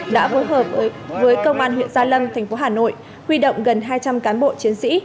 đã phối hợp với công an huyện gia lâm thành phố hà nội huy động gần hai trăm linh cán bộ chiến sĩ